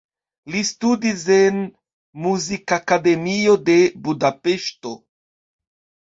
Li studis en Muzikakademio de Budapeŝto.